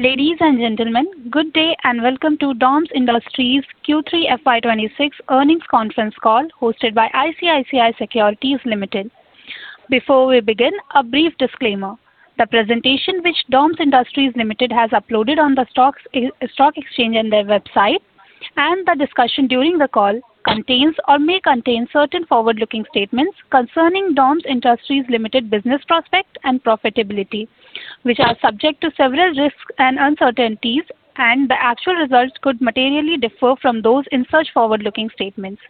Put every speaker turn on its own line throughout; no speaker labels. Ladies and gentlemen, good day and welcome to DOMS Industries Q3 FY 2026 earnings conference call hosted by ICICI Securities Limited. Before we begin, a brief disclaimer: the presentation which DOMS Industries Limited has uploaded on the stock exchange and their website, and the discussion during the call, contains or may contain certain forward-looking statements concerning DOMS Industries Limited business prospect and profitability, which are subject to several risks and uncertainties, and the actual results could materially differ from those in such forward-looking statements.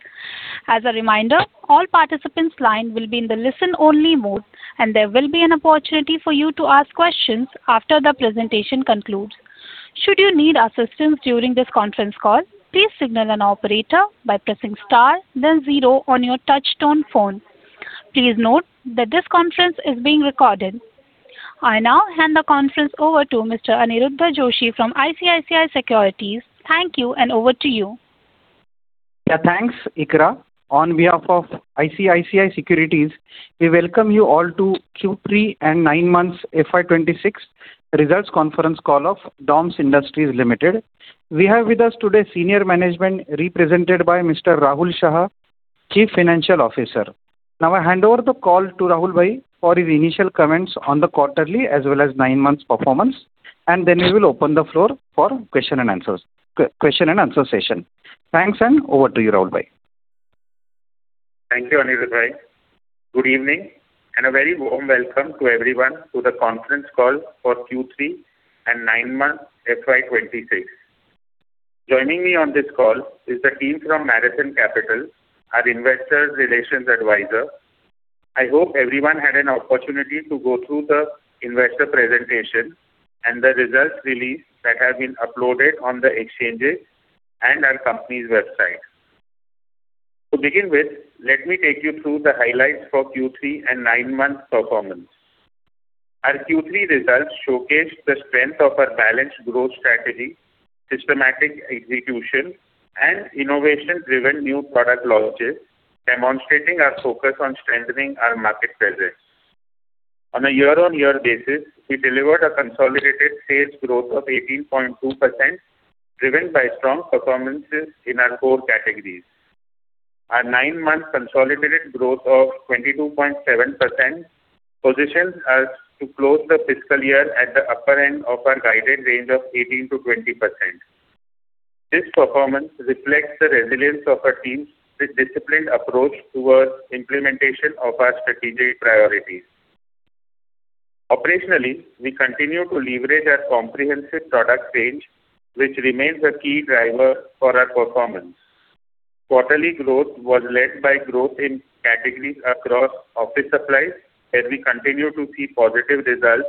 As a reminder, all participants' line will be in the listen-only mode, and there will be an opportunity for you to ask questions after the presentation concludes. Should you need assistance during this conference call, please signal an operator by pressing star, then zero on your touch-tone phone. Please note that this conference is being recorded. I now hand the conference over to Mr. Aniruddha Joshi from ICICI Securities. Thank you, and over to you.
Yeah, thanks, Ikra. On behalf of ICICI Securities, we welcome you all to Q3 and nine-months FY 2026 results conference call of DOMS Industries Limited. We have with us today senior management represented by Mr. Rahul Shah, Chief Financial Officer. Now I hand over the call to Rahul bhai for his initial comments on the quarterly as well as nine months performance, and then we will open the floor for question-and-answer session. Thanks, and over to you, Rahul bhai.
Thank you, Aniruddha bhai. Good evening, and a very warm welcome to everyone to the conference call for Q3 and nine months FY 2026. Joining me on this call is the team from Marathon Capital, our investor relations advisor. I hope everyone had an opportunity to go through the investor presentation and the results released that have been uploaded on the exchanges and our company's website. To begin with, let me take you through the highlights for Q3 and nine months performance. Our Q3 results showcased the strength of our balanced growth strategy, systematic execution, and innovation-driven new product launches, demonstrating our focus on strengthening our market presence. On a year-on-year basis, we delivered a consolidated sales growth of 18.2% driven by strong performances in our core categories. Our nine-month consolidated growth of 22.7% positions us to close the fiscal year at the upper end of our guided range of 18%-20%. This performance reflects the resilience of our team's disciplined approach towards implementation of our strategic priorities. Operationally, we continue to leverage our comprehensive product range, which remains a key driver for our performance. Quarterly growth was led by growth in categories across office supplies, where we continue to see positive results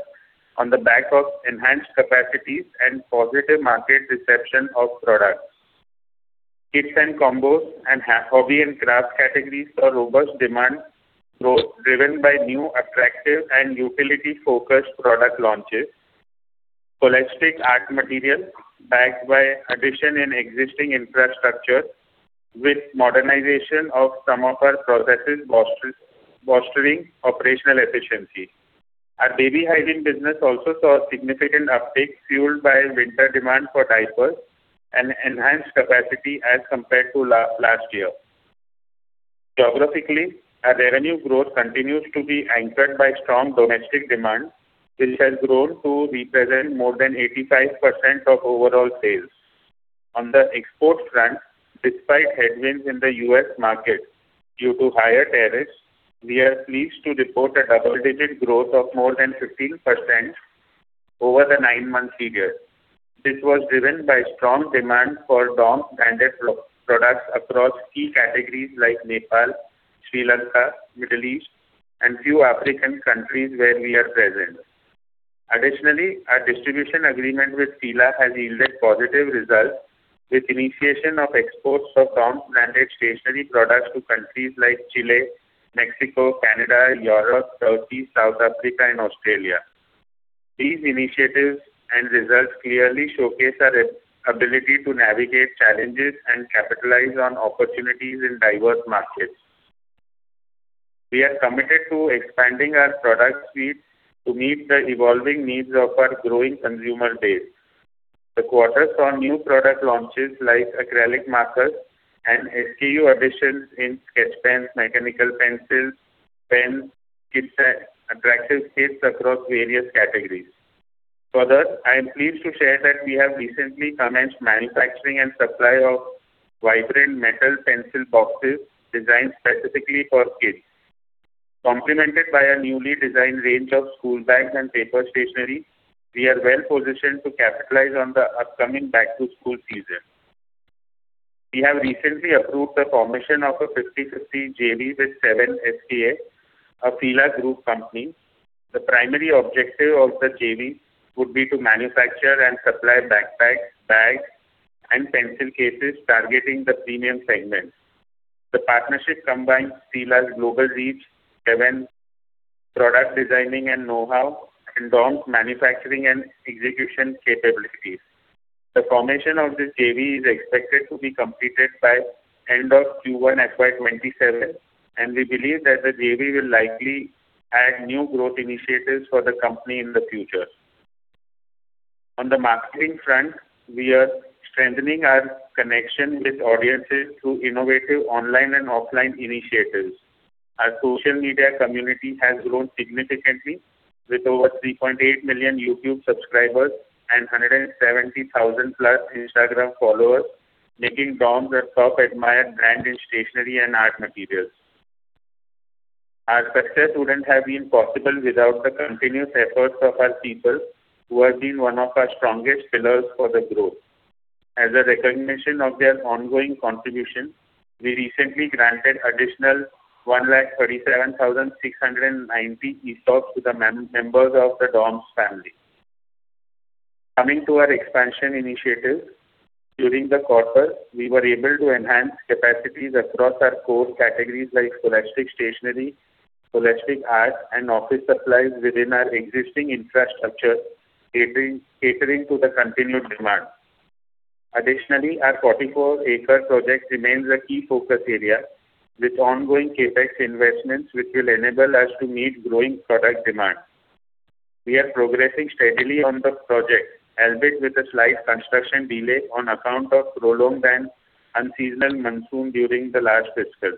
on the back of enhanced capacities and positive market reception of products. Kits and combos, and hobby and craft categories saw robust demand growth driven by new attractive and utility-focused product launches. Holistic art materials, backed by addition in existing infrastructure with modernization of some of our processes, bolstering operational efficiency. Our baby hygiene business also saw a significant uptick fueled by winter demand for diapers and enhanced capacity as compared to last year. Geographically, our revenue growth continues to be anchored by strong domestic demand, which has grown to represent more than 85% of overall sales. On the export front, despite headwinds in the U.S. market due to higher tariffs, we are pleased to report a double-digit growth of more than 15% over the 9-month period. This was driven by strong demand for DOMS-branded products across key categories like Nepal, Sri Lanka, Middle East, and few African countries where we are present. Additionally, our distribution agreement with F.I.L.A has yielded positive results with initiation of exports of DOMS-branded stationery products to countries like Chile, Mexico, Canada, Europe, Turkey, South Africa, and Australia. These initiatives and results clearly showcase our ability to navigate challenges and capitalize on opportunities in diverse markets. We are committed to expanding our product suite to meet the evolving needs of our growing consumer base. The quarter saw new product launches like acrylic markers and SKU additions in sketch pens, mechanical pencils, pens, kits, and attractive kits across various categories. Further, I am pleased to share that we have recently commenced manufacturing and supply of vibrant metal pencil boxes designed specifically for kids. Complemented by a newly designed range of school bags and paper stationery, we are well positioned to capitalize on the upcoming back-to-school season. We have recently approved the formation of a 50/50 JV with Seven SpA, a F.I.L.A. group company. The primary objective of the JV would be to manufacture and supply backpacks, bags, and pencil cases targeting the premium segment. The partnership combines F.I.L.A.'s global reach, Seven's product designing and know-how, and DOMS' manufacturing and execution capabilities. The formation of this JV is expected to be completed by the end of Q1 FY 2027, and we believe that the JV will likely add new growth initiatives for the company in the future. On the marketing front, we are strengthening our connection with audiences through innovative online and offline initiatives. Our social media community has grown significantly with over 3.8 million YouTube subscribers and 170,000+ Instagram followers, making DOMS a top-admired brand in stationery and art materials. Our success wouldn't have been possible without the continuous efforts of our people, who have been one of our strongest pillars for the growth. As a recognition of their ongoing contribution, we recently granted additional 137,690 ESOPs to the members of the DOMS family. Coming to our expansion initiatives, during the quarter, we were able to enhance capacities across our core categories like scholastic stationery, scholastic art, and office supplies within our existing infrastructure, catering to the continued demand. Additionally, our 44-ac project remains a key focus area with ongoing CapEx investments, which will enable us to meet growing product demand. We are progressing steadily on the project, albeit with a slight construction delay on account of prolonged and unseasonal monsoon during the last fiscal.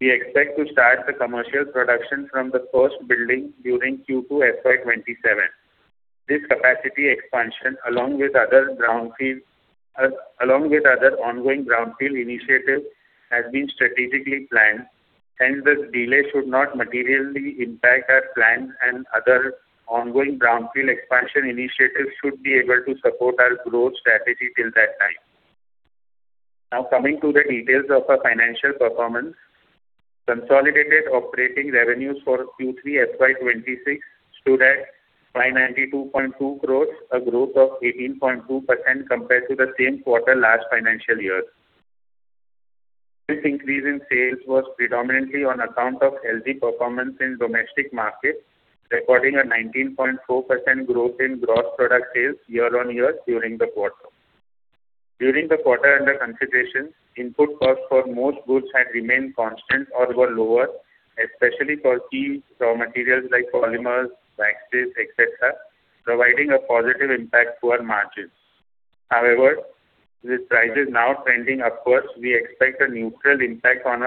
We expect to start the commercial production from the first building during Q2 FY 2027. This capacity expansion, along with other ongoing brownfield initiatives, has been strategically planned, hence the delay should not materially impact our plans, and other ongoing brownfield expansion initiatives should be able to support our growth strategy till that time. Now coming to the details of our financial performance, consolidated operating revenues for Q3 FY 2026 stood at 592.2 crore, a growth of 18.2% compared to the same quarter last financial year. This increase in sales was predominantly on account of healthy performance in domestic markets, recording a 19.4% growth in gross product sales year-on-year during the quarter. During the quarter under consideration, input costs for most goods had remained constant or were lower, especially for key raw materials like polymers, waxes, etc., providing a positive impact to our margins. However, with prices now trending upwards, we expect a neutral impact on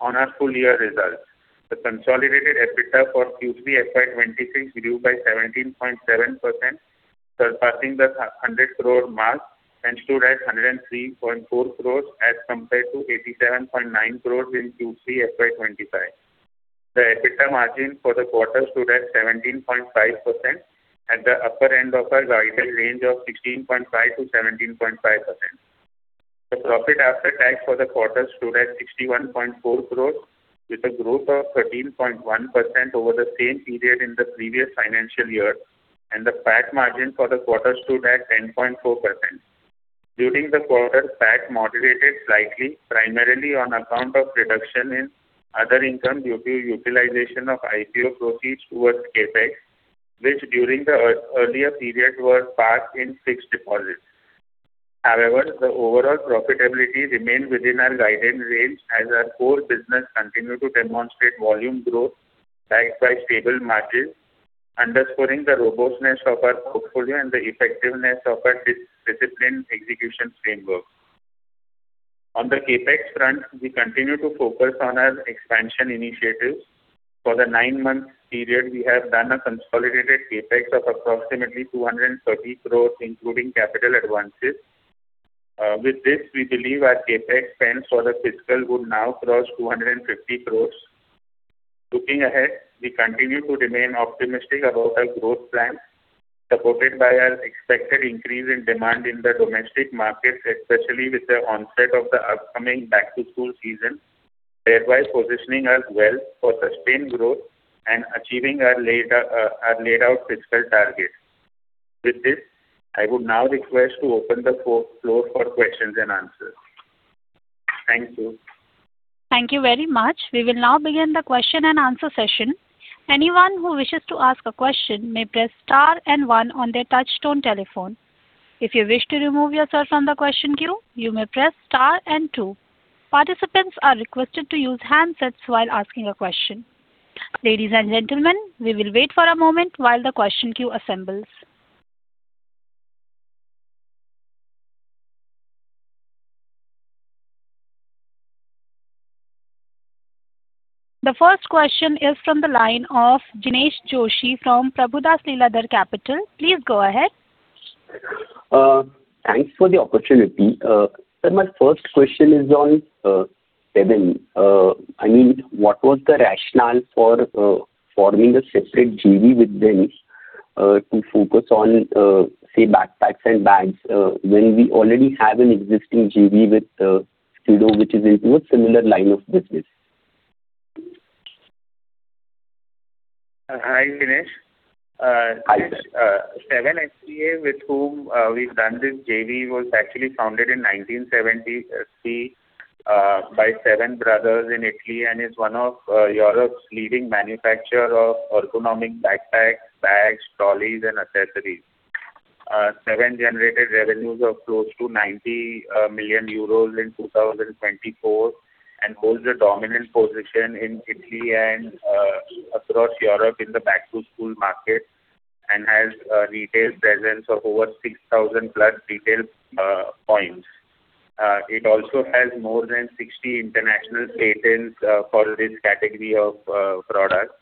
our full-year results. The consolidated EBITDA for Q3 FY 2026 grew by 17.7%, surpassing the 100-crore mark, and stood at 103.4 crore as compared to 87.9 crore in Q3 FY 2025. The EBITDA margin for the quarter stood at 17.5% at the upper end of our guided range of 16.5%-17.5%. The profit after tax for the quarter stood at 61.4 crore, with a growth of 13.1% over the same period in the previous financial year, and the PAT margin for the quarter stood at 10.4%. During the quarter, PAT moderated slightly, primarily on account of reduction in other income due to utilization of IPO proceeds towards CapEx, which during the earlier period were passed in fixed deposits. However, the overall profitability remained within our guided range as our core business continued to demonstrate volume growth backed by stable margins, underscoring the robustness of our portfolio and the effectiveness of our disciplined execution framework. On the CapEx front, we continue to focus on our expansion initiatives. For the nine-month period, we have done a consolidated CapEx of approximately 230 crores, including capital advances. With this, we believe our CapEx spend for the fiscal would now cross 250 crores. Looking ahead, we continue to remain optimistic about our growth plan, supported by our expected increase in demand in the domestic markets, especially with the onset of the upcoming back-to-school season, thereby positioning us well for sustained growth and achieving our laid-out fiscal targets. With this, I would now request to open the floor for questions and answers. Thank you.
Thank you very much. We will now begin the question-and-answer session. Anyone who wishes to ask a question may press star and one on their touch-tone telephone. If you wish to remove yourself from the question queue, you may press star and two. Participants are requested to use handsets while asking a question. Ladies and gentlemen, we will wait for a moment while the question queue assembles. The first question is from the line of Jinesh Joshi from Prabhudas Lilladher Capital. Please go ahead.
Thanks for the opportunity. Sir, my first question is on Seven. I mean, what was the rationale for forming a separate JV with them to focus on, say, backpacks and bags when we already have an existing JV with SKIDO, which is into a similar line of business?
Hi, Jinesh. Seven SpA, with whom we've done this JV, was actually founded in 1973 by Seven brothers in Italy and is one of Europe's leading manufacturers of ergonomic backpacks, bags, trolleys, and accessories. Seven generated revenues of close to 90 million euros in 2024 and holds a dominant position in Italy and across Europe in the back-to-school market and has a retail presence of over 6,000+ retail points. It also has more than 60 international patents for this category of products.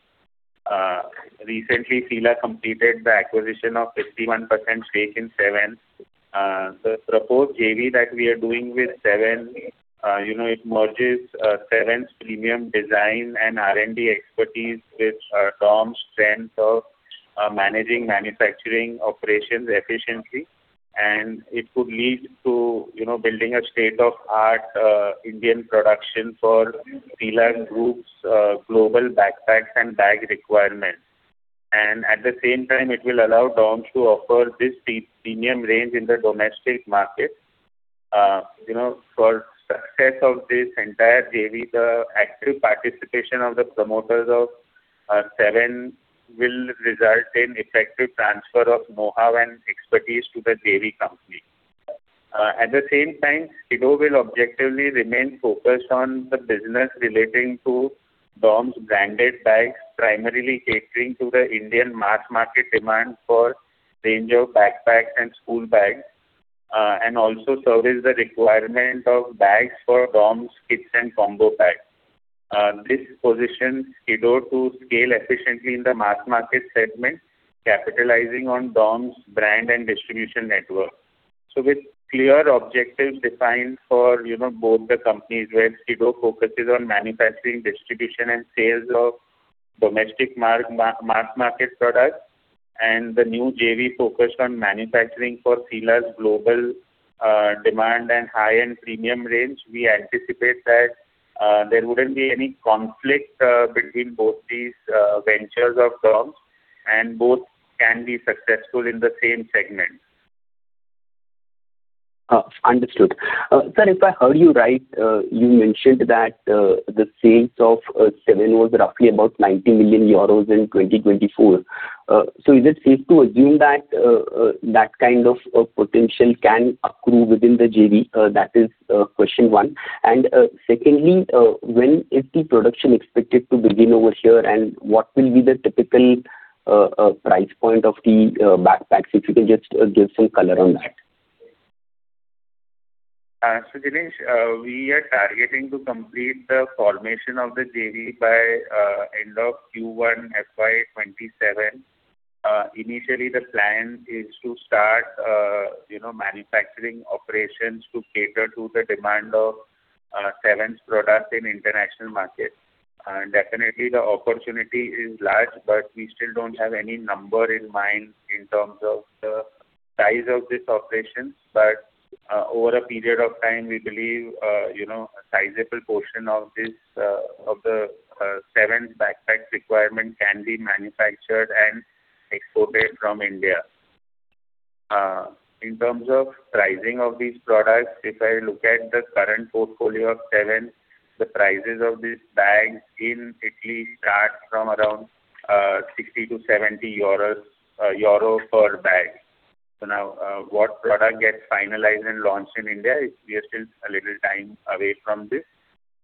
Recently, F.I.L.A completed the acquisition of 51% stake in Seven. The proposed JV that we are doing with Seven, it merges Seven's premium design and R&D expertise with DOMS' strength of managing manufacturing operations efficiently, and it could lead to building a state-of-the-art Indian production for F.I.L.A Group's global backpacks and bag requirements. And at the same time, it will allow DOMS to offer this premium range in the domestic market. For the success of this entire JV, the active participation of the promoters of Seven will result in effective transfer of know-how and expertise to the JV company. At the same time, SKIDO will objectively remain focused on the business relating to DOMS-branded bags, primarily catering to the Indian mass market demand for a range of backpacks and school bags, and also service the requirement of bags for DOMS kits and combo bags. This positions SKIDO to scale efficiently in the mass market segment, capitalizing on DOMS' brand and distribution network. So with clear objectives defined for both the companies where SKIDO focuses on manufacturing, distribution, and sales of domestic mass market products, and the new JV focused on manufacturing for F.I.L.A's global demand and high-end premium range, we anticipate that there wouldn't be any conflict between both these ventures of DOMS, and both can be successful in the same segment.
Understood. Sir, if I heard you right, you mentioned that the sales of Seven was roughly about 90 million euros in 2024. So is it safe to assume that that kind of potential can accrue within the JV? That is question one. And secondly, when is the production expected to begin over here, and what will be the typical price point of the backpacks, if you can just give some color on that?
So, Jinesh, we are targeting to complete the formation of the JV by the end of Q1 FY 2027. Initially, the plan is to start manufacturing operations to cater to the demand of Seven's products in the international market. Definitely, the opportunity is large, but we still don't have any number in mind in terms of the size of this operation. But over a period of time, we believe a sizable portion of the Seven's backpack requirement can be manufactured and exported from India. In terms of pricing of these products, if I look at the current portfolio of Seven, the prices of these bags in Italy start from around 60-70 euros per bag. So now, what product gets finalized and launched in India, we are still a little time away from this.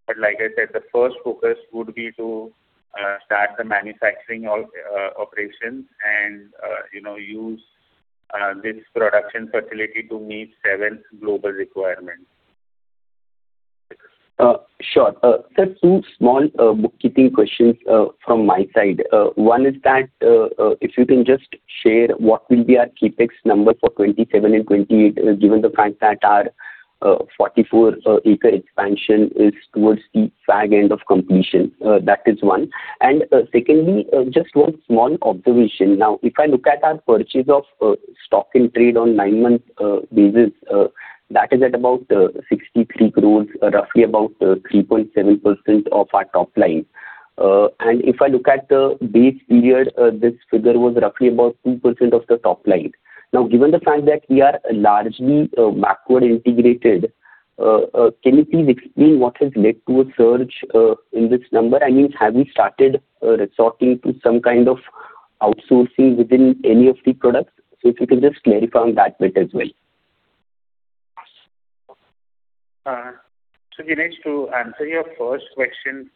But like I said, the first focus would be to start the manufacturing operations and use this production facility to meet Seven's global requirements.
Sure. Sir, two small bookkeeping questions from my side. One is that if you can just share what will be our CapEx number for 2027 and 2028, given the fact that our 44-ac expansion is towards the fag end of completion. That is one. And secondly, just one small observation. Now, if I look at our purchase of stock in trade on a nine-month basis, that is at about 63 crore, roughly about 3.7% of our top line. And if I look at the base period, this figure was roughly about 2% of the top line. Now, given the fact that we are largely backward integrated, can you please explain what has led to a surge in this number? I mean, have we started resorting to some kind of outsourcing within any of the products? So if you can just clarify on that bit as well.
So, Jinesh, to answer your first question,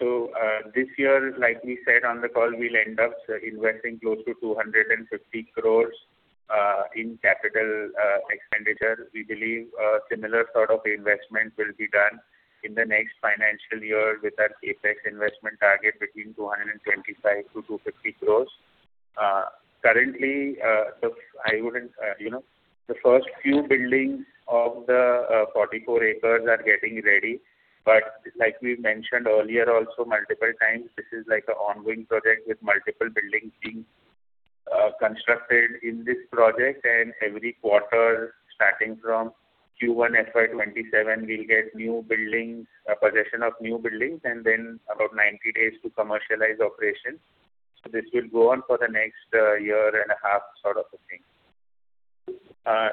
so this year, like we said on the call, we'll end up investing close to 250 crores in capital expenditure. We believe a similar sort of investment will be done in the next financial year with our CapEx investment target between 225 crores-250 crores. Currently, I would say the first few buildings of the 44 ac are getting ready. But like we mentioned earlier also multiple times, this is like an ongoing project with multiple buildings being constructed in this project. And every quarter, starting from Q1 FY 2027, we'll get new buildings, possession of new buildings, and then about 90 days to commercialize operations. So this will go on for the next year and a half sort of a thing.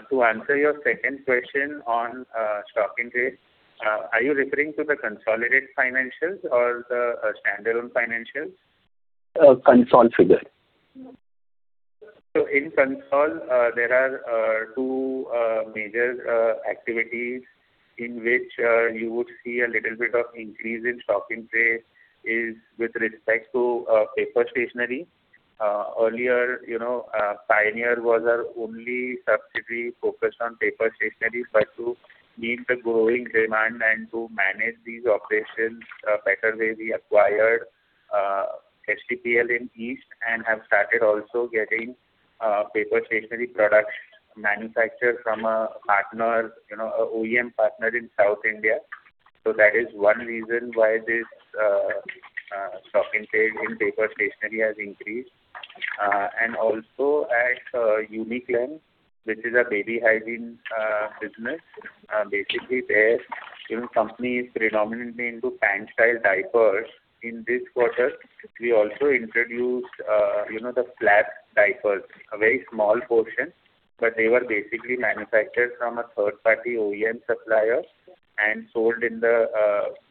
To answer your second question on stock in trade, are you referring to the consolidated financials or the standalone financials?
Consoled figure.
So in console, there are two major activities in which you would see a little bit of increase in stock in trade is with respect to paper stationery. Earlier, Pioneer was our only subsidiary focused on paper stationery, but to meet the growing demand and to manage these operations better way, we acquired STPL in East and have started also getting paper stationery products manufactured from a partner, an OEM partner in South India. So that is one reason why this stock in trade in paper stationery has increased. And also, at Uniclan, which is a baby hygiene business, basically, their company is predominantly into pant-style diapers. In this quarter, we also introduced the flat diapers, a very small portion, but they were basically manufactured from a third-party OEM supplier and sold in the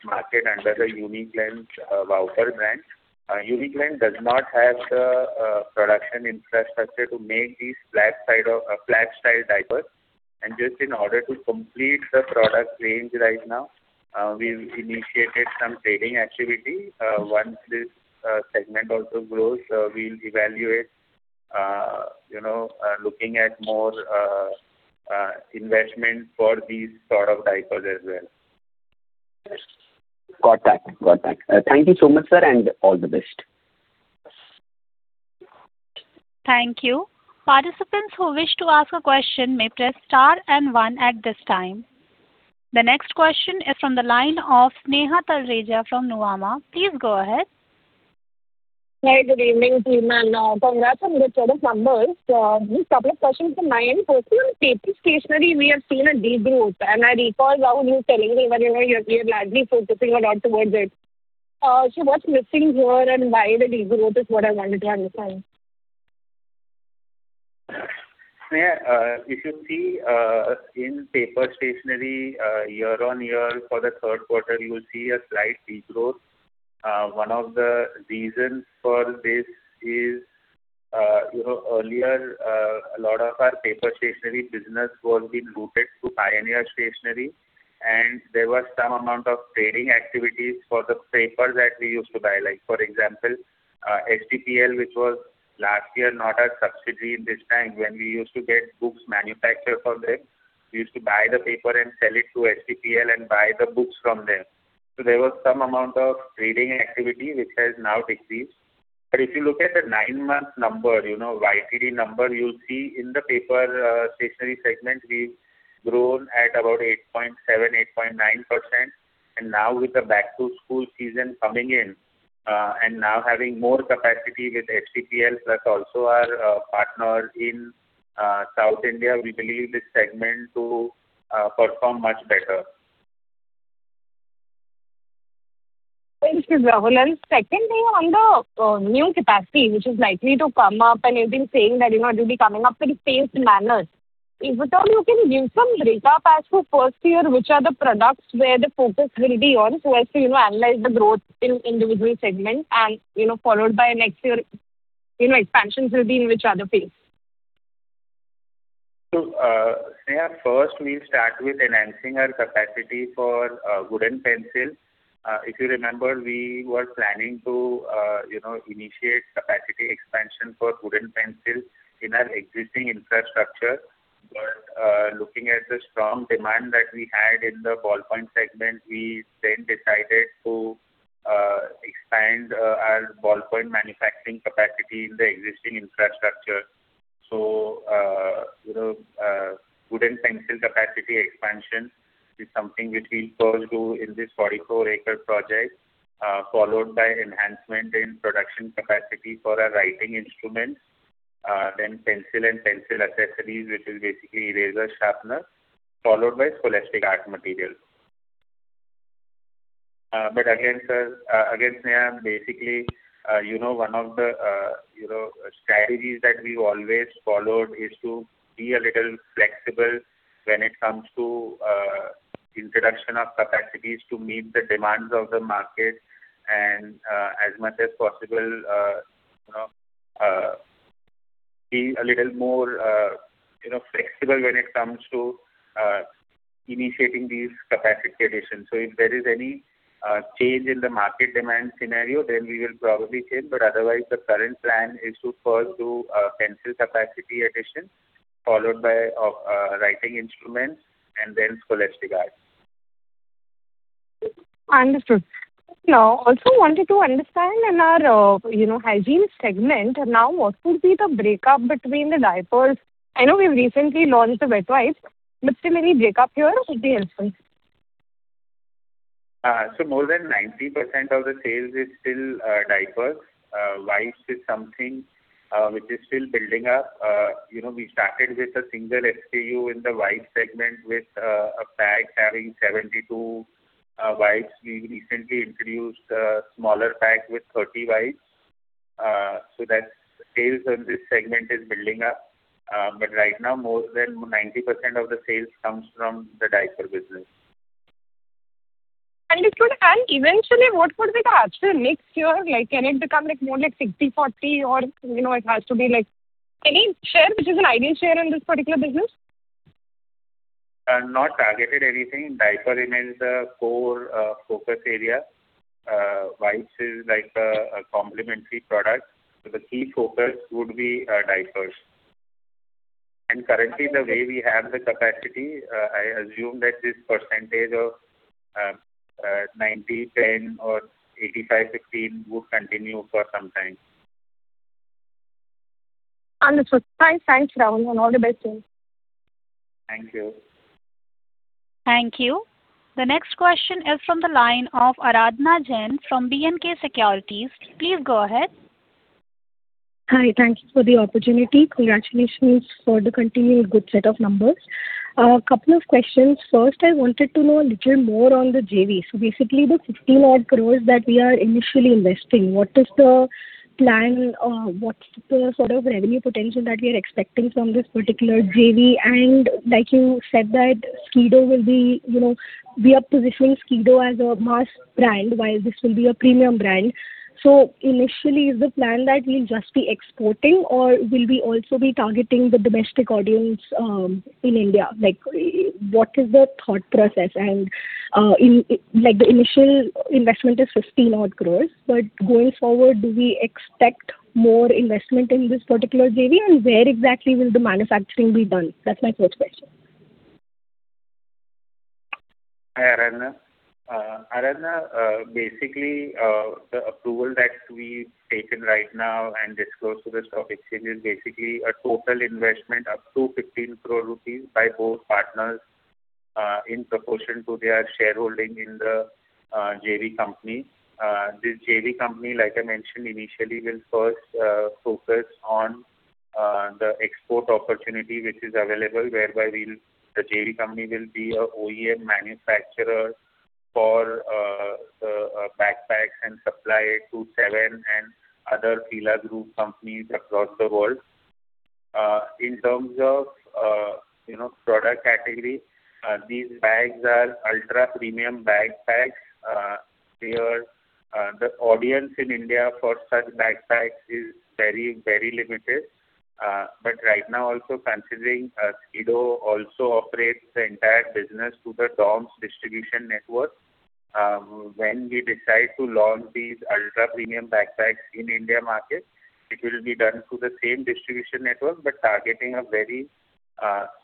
market under the Uniclan's Wowper brand. Uniclan does not have the production infrastructure to make these flat-style diapers. Just in order to complete the product range right now, we've initiated some trading activity. Once this segment also grows, we'll evaluate, looking at more investment for these sort of diapers as well.
Got that. Got that. Thank you so much, sir, and all the best.
Thank you. Participants who wish to ask a question may press star and one at this time. The next question is from the line of Sneha Talreja from Nuvama. Please go ahead.
Hi, good evening. Congrats on the sort of numbers. Just a couple of questions for my own person. Paper stationery, we have seen a degrowth. And I recall Rahul was telling me when you're largely focusing a lot towards it, what's missing here and why the degrowth is what I wanted to understand.
Sneha, if you see in paper stationery, year-on-year, for the third quarter, you'll see a slight degrowth. One of the reasons for this is earlier, a lot of our paper stationery business was being rooted to Pioneer Stationery, and there was some amount of trading activities for the papers that we used to buy. For example, STPL, which was last year not a subsidiary in this time, when we used to get books manufactured for them, we used to buy the paper and sell it to STPL and buy the books from them. So there was some amount of trading activity, which has now decreased. But if you look at the nine-month number, YTD number, you'll see in the paper stationery segment, we've grown at about 8.7%-8.9%. And now, with the back-to-school season coming in and now having more capacity with STPL plus also our partner in South India, we believe this segment will perform much better.
Thank you, Rahul. Secondly, on the new capacity, which is likely to come up, and you've been saying that it will be coming up in a phased manner, if at all you can give some recap as to first year, which are the products where the focus will be on so as to analyze the growth in individual segments, and followed by next year, expansions will be in which other phase?
So, Sneha, first, we'll start with enhancing our capacity for wooden pencil. If you remember, we were planning to initiate capacity expansion for wooden pencil in our existing infrastructure. But looking at the strong demand that we had in the ballpoint segment, we then decided to expand our ballpoint manufacturing capacity in the existing infrastructure. So wooden pencil capacity expansion is something which we'll first do in this 44-ac project, followed by enhancement in production capacity for our writing instruments, then pencil and pencil accessories, which is basically eraser, sharpener, followed by scholastic art materials. But again, sir, again, Sneha, basically, one of the strategies that we've always followed is to be a little flexible when it comes to introduction of capacities to meet the demands of the market and, as much as possible, be a little more flexible when it comes to initiating these capacity additions. So if there is any change in the market demand scenario, then we will probably change. But otherwise, the current plan is to first do pencil capacity additions, followed by writing instruments, and then scholastic art.
Understood. Now, I also wanted to understand in our hygiene segment, now what would be the breakup between the diapers? I know we've recently launched the wet wipes. But still, any breakup here would be helpful.
More than 90% of the sales is still diapers. Wipes is something which is still building up. We started with a single SKU in the wipe segment with a pack having 72 wipes. We've recently introduced a smaller pack with 30 wipes. Sales on this segment is building up. Right now, more than 90% of the sales comes from the diaper business.
Understood. Eventually, what would be the actual mix here? Can it become more like 60/40, or it has to be any share which is an ideal share in this particular business?
Not targeting anything. Diaper remains a core focus area. Wipes is a complementary product. So the key focus would be diapers. Currently, the way we have the capacity, I assume that this percentage of 90%/10% or 85%/15% would continue for some time.
Understood. Thanks, Rahul, and all the best to you.
Thank you.
Thank you. The next question is from the line of Aradhana Jain from B&K Securities. Please go ahead.
Hi. Thank you for the opportunity. Congratulations for the continued good set of numbers. A couple of questions. First, I wanted to know a little more on the JV. So basically, the 15-odd crores that we are initially investing, what is the plan? What's the sort of revenue potential that we are expecting from this particular JV? And like you said that SKIDO will be we are positioning SKIDO as a mass brand, while this will be a premium brand. So initially, is the plan that we'll just be exporting, or will we also be targeting the domestic audience in India? What is the thought process? And the initial investment is 15-odd crores, but going forward, do we expect more investment in this particular JV, and where exactly will the manufacturing be done? That's my first question.
Hi, Aradhana. Basically, the approval that we've taken right now and disclosed to the stock exchange is basically a total investment up to 15 crore rupees by both partners in proportion to their shareholding in the JV company. This JV company, like I mentioned initially, will first focus on the export opportunity which is available, whereby the JV company will be an OEM manufacturer for the backpacks and supply it to Seven and other F.I.L.A. Group companies across the world. In terms of product category, these bags are ultra-premium backpacks. The audience in India for such backpacks is very, very limited. But right now, also considering SKIDO also operates the entire business through the DOMS Distribution Network, when we decide to launch these ultra-premium backpacks in India market, it will be done through the same distribution network but targeting a very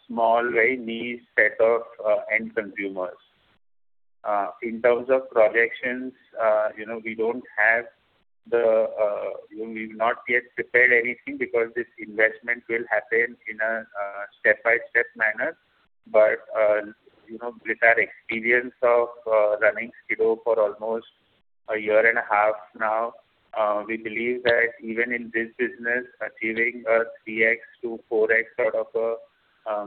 small, very niche set of end consumers. In terms of projections, we don't have. We've not yet prepared anything because this investment will happen in a step-by-step manner. But with our experience of running SKIDO for almost a year and a half now, we believe that even in this business, achieving a 3x-4x sort of a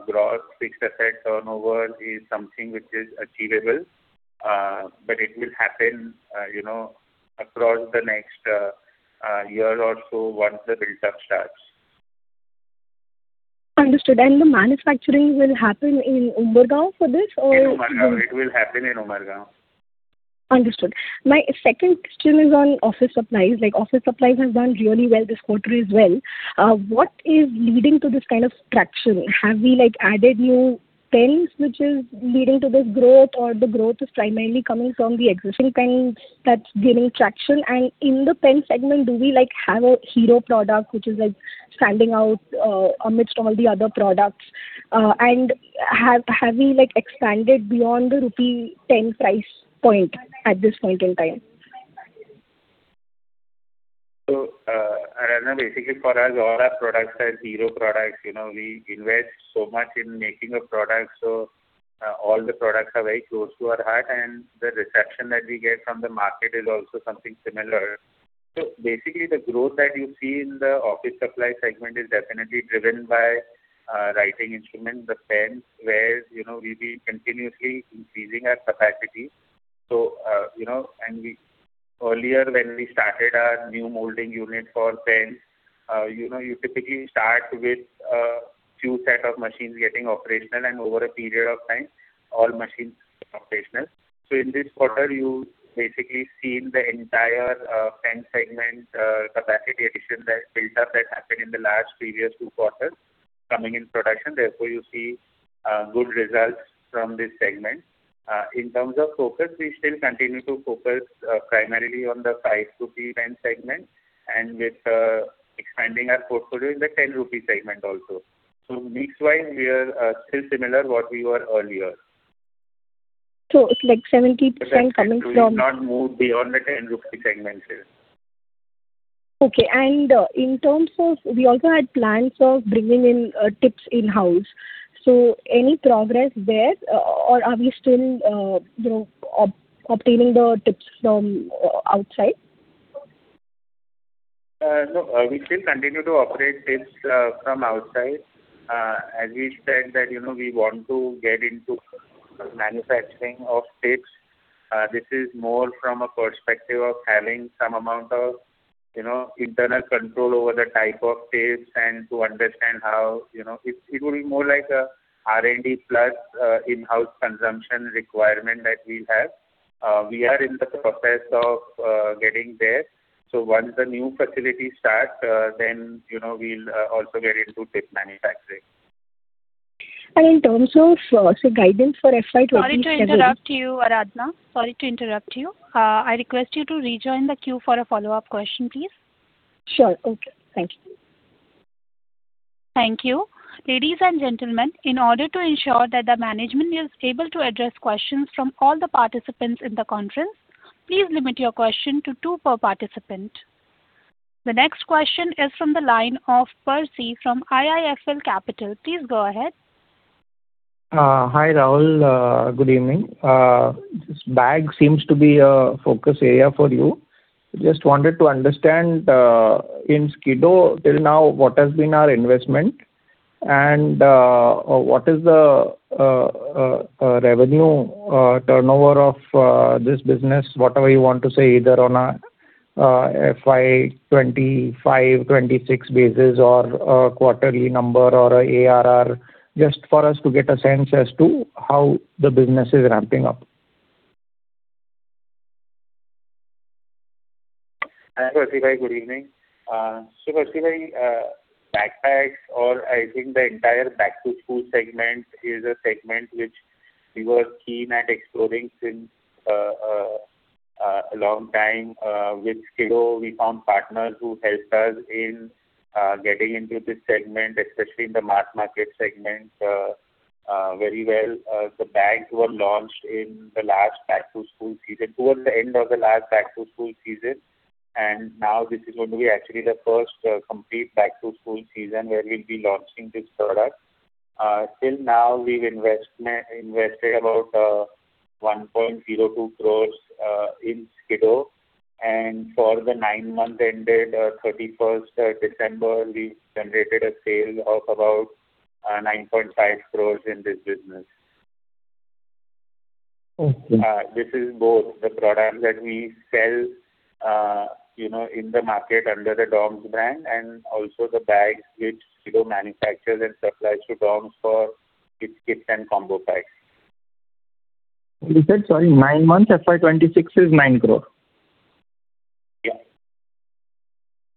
gross fixed asset turnover is something which is achievable. But it will happen across the next year or so once the buildup starts.
Understood. The manufacturing will happen in [Umargam] for this, or?
In [Umargam]. It will happen in [Umargam].
Understood. My second question is on office supplies. Office supplies have done really well this quarter as well. What is leading to this kind of traction? Have we added new pens which is leading to this growth, or the growth is primarily coming from the existing pens that's gaining traction? And in the pen segment, do we have a hero product which is standing out amidst all the other products? And have we expanded beyond the rupee 10 price point at this point in time?
So, Aradhana, basically, for us, all our products are hero products. We invest so much in making a product, so all the products are very close to our heart. And the reception that we get from the market is also something similar. So basically, the growth that you see in the Office Supplies segment is definitely driven by writing instruments, the pens, where we'll be continuously increasing our capacity. And earlier, when we started our new molding unit for pens, you typically start with a few set of machines getting operational. And over a period of time, all machines become operational. So in this quarter, you've basically seen the entire pen segment capacity addition buildup that happened in the last previous two quarters coming in production. Therefore, you see good results from this segment. In terms of focus, we still continue to focus primarily on the 5 rupee segment and with expanding our portfolio in the 10 rupee segment also. So mixed wise, we are still similar to what we were earlier.
It's like 70% coming from?
We've not moved beyond the 10 rupee segment yet.
Okay. And in terms of, we also had plans of bringing in tips in-house. So any progress there, or are we still obtaining the tips from outside?
No, we still continue to operate tips from outside. As we said that we want to get into manufacturing of tips, this is more from a perspective of having some amount of internal control over the type of tips and to understand how it will be more like an R&D plus in-house consumption requirement that we have. We are in the process of getting there. So once the new facilities start, then we'll also get into tip manufacturing.
In terms of so guidance for FY 2020.
Sorry to interrupt you, Aradhana. Sorry to interrupt you. I request you to rejoin the queue for a follow-up question, please.
Sure. Okay. Thank you.
Thank you. Ladies and gentlemen, in order to ensure that the management is able to address questions from all the participants in the conference, please limit your question to two per participant. The next question is from the line of Percy from IIFL Capital. Please go ahead.
Hi, Rahul. Good evening. Bags seem to be a focus area for you. Just wanted to understand in SKIDO, till now, what has been our investment, and what is the revenue turnover of this business, whatever you want to say, either on a FY 2025, 2026 basis, or a quarterly number, or an ARR, just for us to get a sense as to how the business is ramping up.
Hi, Percy bhai. Good evening. So, Percy bhai. Backpacks, or I think the entire back-to-school segment is a segment which we were keen at exploring since a long time. With SKIDO, we found partners who helped us in getting into this segment, especially in the mass market segment, very well. The bags were launched in the last back-to-school season, towards the end of the last back-to-school season. And now, this is going to be actually the first complete back-to-school season where we'll be launching this product. Till now, we've invested about 1.02 crores in SKIDO. And for the nine-month-ended 31st of December, we've generated a sale of about 9.5 crores in this business. This is both the products that we sell in the market under the DOMS brand and also the bags which SKIDO manufactures and supplies to DOMS for its kits and combo packs.
You said, sorry, nine months, FY 2026 is 9 crore.
Yeah.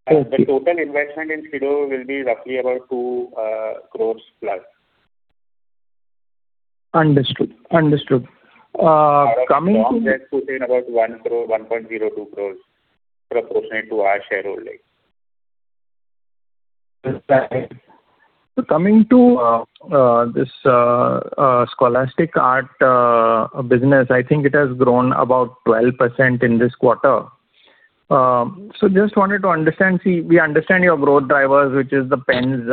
The total investment in SKIDO will be roughly about 2+ crores.
Understood. Understood. Coming to.
For DOMS, that puts in about 1.02 crore proportionate to our shareholding.
So coming to this Scholastic Art business, I think it has grown about 12% in this quarter. So just wanted to understand, see, we understand your growth drivers, which is the pens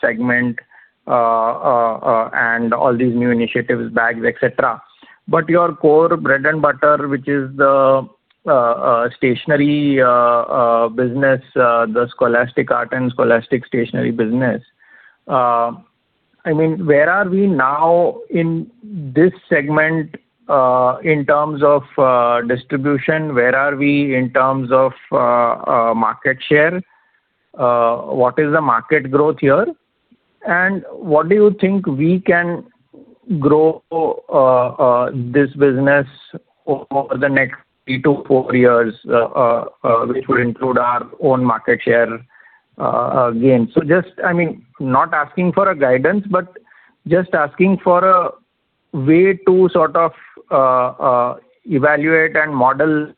segment and all these new initiatives, bags, etc. But your core bread and butter, which is the stationery business, the Scholastic Art and Scholastic Stationery business, I mean, where are we now in this segment in terms of distribution? Where are we in terms of market share? What is the market growth here? And what do you think we can grow this business over the next three to four years, which would include our own market share gain? So just, I mean, not asking for guidance, but just asking for a way to sort of evaluate and model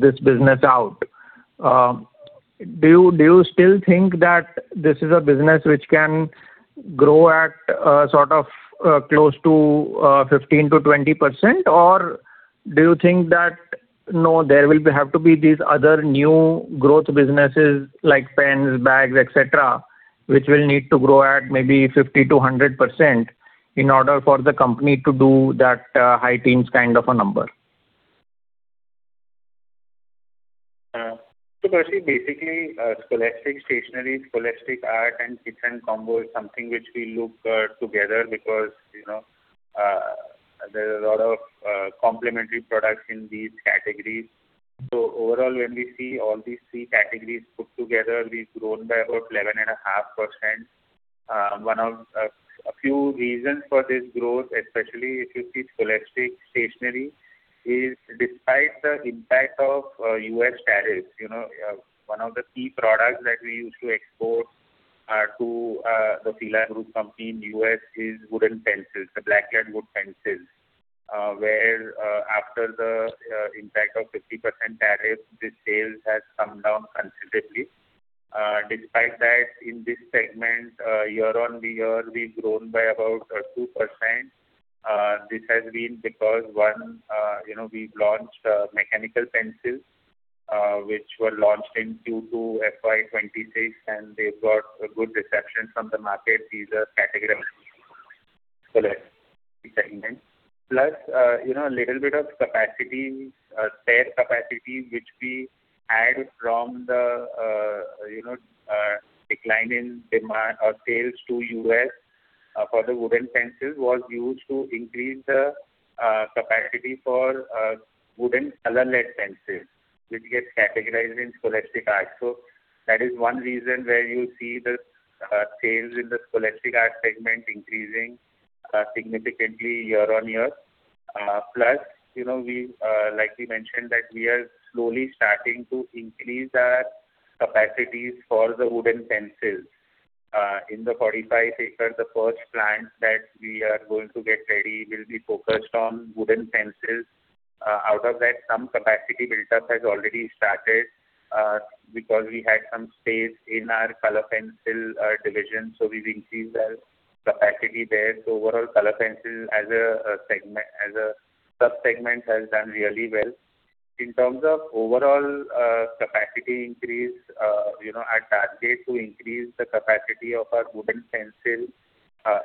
this business out. Do you still think that this is a business which can grow at sort of close to 15%-20%, or do you think that, no, there will have to be these other new growth businesses like pens, bags, etc., which will need to grow at maybe 50%-100% in order for the company to do that high teens kind of a number?
So, Percy, basically, scholastic stationery, scholastic art, and kits and combo is something which we look together because there are a lot of complementary products in these categories. So overall, when we see all these three categories put together, we've grown by about 11.5%. A few reasons for this growth, especially if you see scholastic stationery, is despite the impact of US tariffs, one of the key products that we used to export to the F.I.L.A. Group company in the US is wooden pencils, the black lead wood pencils, where after the impact of 50% tariff, this sales has come down considerably. Despite that, in this segment, year-on-year, we've grown by about 2%. This has been because, one, we've launched mechanical pencils, which were launched in Q2 FY 2026, and they've got good reception from the market. These are categories scholastic segment. Plus, a little bit of spare capacity which we had from the decline in sales to U.S. for the wooden pencils was used to increase the capacity for wooden colored-lead pencils, which gets categorized in Scholastic Art. So that is one reason where you see the sales in the scholastic art segment increasing significantly year-on-year. Plus, like we mentioned, that we are slowly starting to increase our capacities for the wooden pencils. In the 45 ac, the first plant that we are going to get ready will be focused on wooden pencils. Out of that, some capacity buildup has already started because we had some space in our color pencil division. So we've increased that capacity there. So overall, color pencil as a subsegment has done really well. In terms of overall capacity increase, our target to increase the capacity of our wooden pencil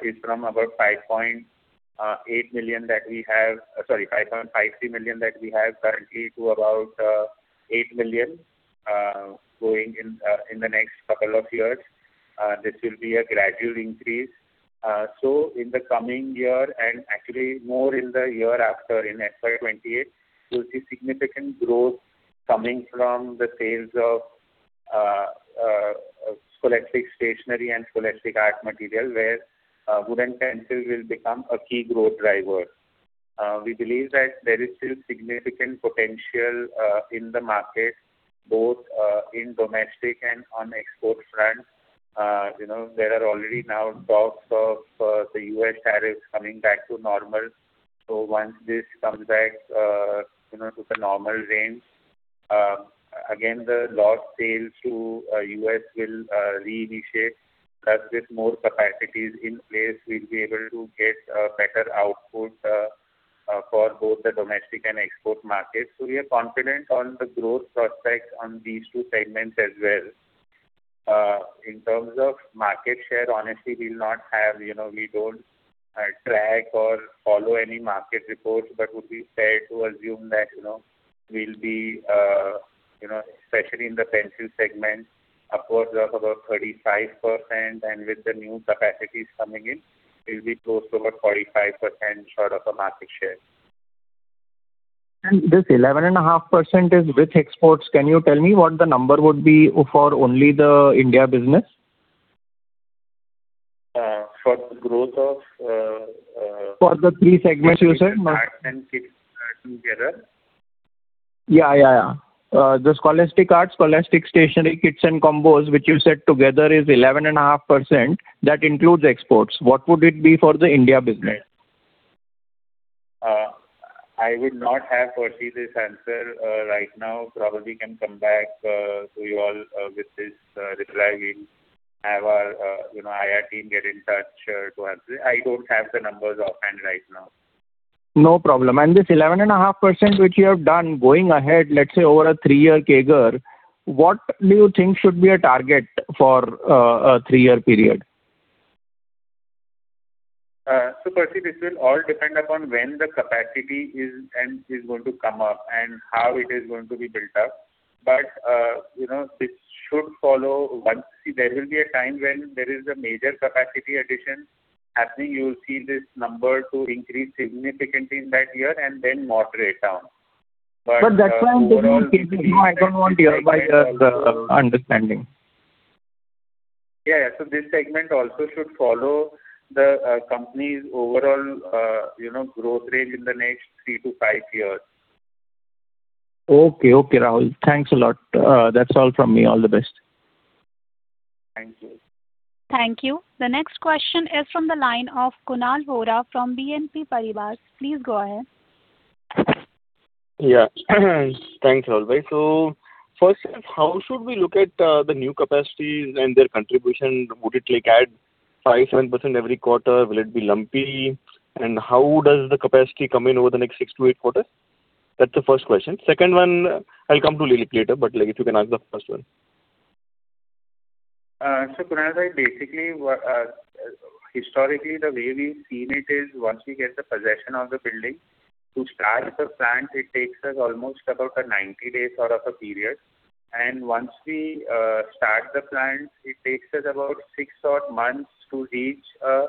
is from about 5.8 million that we have—sorry, 5.53 million that we have currently—to about 8 million going in the next couple of years. This will be a gradual increase. So in the coming year and actually, more in the year after, in FY 2028, you'll see significant growth coming from the sales of scholastic stationery and scholastic art materials, where wooden pencils will become a key growth driver. We believe that there is still significant potential in the market, both in domestic and on export front. There are already now talks of the U.S. tariffs coming back to normal. So once this comes back to the normal range, again, the lost sales to U.S. will reinitiate. Plus, with more capacities in place, we'll be able to get a better output for both the domestic and export markets. So we are confident on the growth prospects on these two segments as well. In terms of market share, honestly, we don't track or follow any market reports, but would be fair to assume that we'll be, especially in the pencil segment, upwards of about 35%. And with the new capacities coming in, we'll be close to about 45% sort of a market share.
This 11.5% is with exports. Can you tell me what the number would be for only the India business?
For the growth of.
For the three segments, you said?
Art and kits together.
Yeah, yeah, yeah. The scholastic art, scholastic stationery, kits, and combos, which you said together is 11.5%, that includes exports. What would it be for the India business?
I would not have this answer right now, Percy. Probably can come back to you all with this reply. We'll have our IR team get in touch to answer it. I don't have the numbers offhand right now.
No problem. And this 11.5% which you have done going ahead, let's say, over a three-year CAGR, what do you think should be a target for a three-year period?
So, Percy, this will all depend upon when the capacity is going to come up and how it is going to be built up. But this should follow. Once, see, there will be a time when there is a major capacity addition happening. You'll see this number to increase significantly in that year and then moderate down. But.
But that's why I'm taking notes. No, I don't want to hear about the understanding.
Yeah, yeah. So this segment also should follow the company's overall growth range in the next three to five years.
Okay, okay, Rahul. Thanks a lot. That's all from me. All the best.
Thank you.
Thank you. The next question is from the line of Kunal Vora from BNP Paribas. Please go ahead.
Yeah. Thanks, Rahul bhai. So first, how should we look at the new capacities and their contribution? Would it add 5%-7% every quarter? Will it be lumpy? And how does the capacity come in over the next 6-8 quarters? That's the first question. Second one, I'll come to Lily later, but if you can ask the first one.
So, Kunal bhai, basically, historically, the way we've seen it is once we get the possession of the building, to start the plant, it takes us almost about 90 days sort of a period. And once we start the plant, it takes us about six or so months to reach a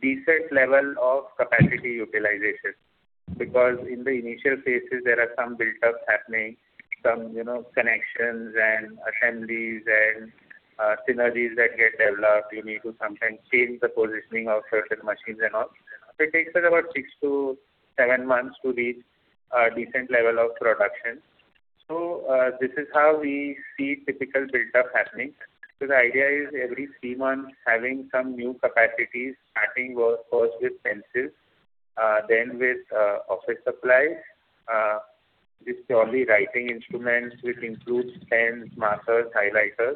decent level of capacity utilization because in the initial phases, there are some buildups happening, some connections and assemblies and synergies that get developed. You need to sometimes change the positioning of certain machines and all. So it takes us about 6-7 months to reach a decent level of production. So this is how we see typical buildup happening. So the idea is every three months, having some new capacities, starting first with pencils, then with office supplies, just purely writing instruments which include pens, markers, highlighters.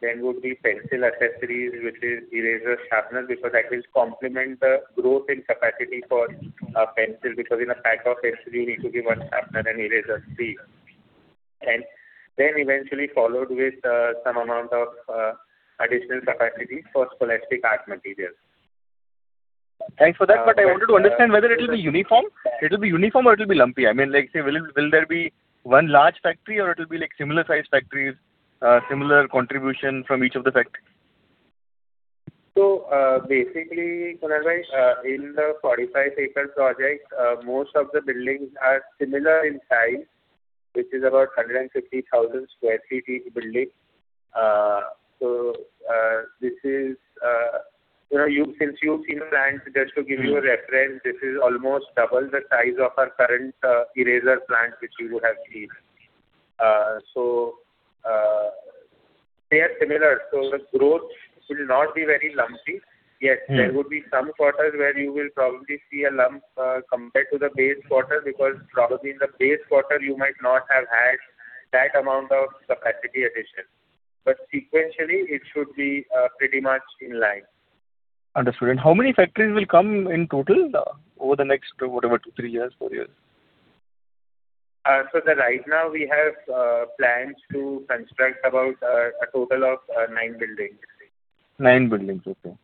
Then would be pencil accessories, which is eraser, sharpener, because that will complement the growth in capacity for pencil because in a pack of pencils, you need to give one sharpener and eraser three. And then eventually followed with some amount of additional capacity for Scholastic Art Materials.
Thanks for that. But I wanted to understand whether it will be uniform. It will be uniform, or it will be lumpy? I mean, say, will there be one large factory, or it will be similar-sized factories, similar contribution from each of the factories?
So basically, Kunal bhai, in the 45-ac project, most of the buildings are similar in size, which is about 150,000 sq ft each building. So this is since you've seen plants, just to give you a reference, this is almost double the size of our current eraser plant which you would have seen. So they are similar. So the growth will not be very lumpy. Yes, there would be some quarters where you will probably see a lump compared to the base quarter because probably in the base quarter, you might not have had that amount of capacity addition. But sequentially, it should be pretty much in line.
Understood. How many factories will come in total over the next whatever, 2 years, 3 years, 4 years?
Right now, we have plans to construct about a total of nine buildings.
Nine buildings. Okay.